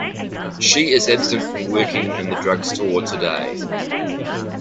She is absent from working in the drug store today.